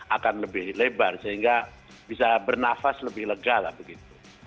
akan lebih lebar sehingga bisa bernafas lebih lega lah begitu